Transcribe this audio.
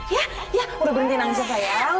ya ya udah berhenti nangis ya sayang